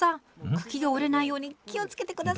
茎が折れないように気をつけて下さい。